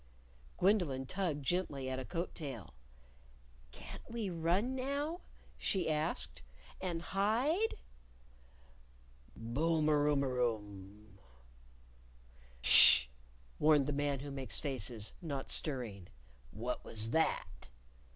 Gwendolyn tugged gently at a coat tail. "Can't we run now?" she asked; "and hide?" Boom er oom er oom! "Sh!" warned the Man Who Makes Faces, not stirring. "What was that!"